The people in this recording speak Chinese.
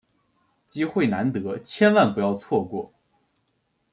机会难得，千万不要错过！